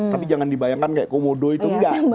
tapi jangan dibayangkan seperti komodo itu